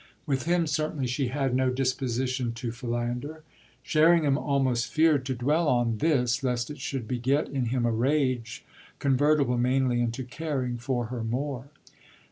With him certainly she had no disposition to philander. Sherringham almost feared to dwell on this, lest it should beget in him a rage convertible mainly into caring for her more.